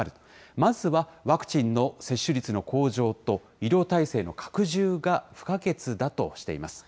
まずはワクチンの接種率の向上と、医療体制の拡充が不可欠だとしています。